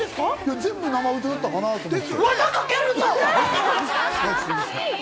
全部、生歌だったかな？と思って。